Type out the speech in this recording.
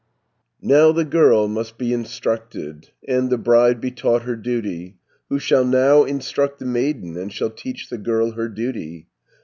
Now the girl must be instructed, And the bride be taught her duty, Who shall now instruct the maiden, And shall teach the girl her duty?